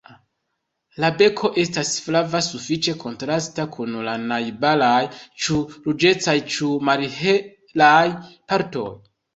La beko estas flava sufiĉe kontrasta kun la najbaraj ĉu ruĝecaj ĉu malhelaj partoj.